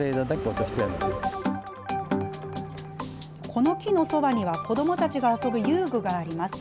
この木のそばには子どもたちが遊ぶ遊具があります。